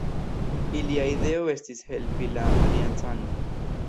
Ilia ideo estis helpi la Aliancanojn.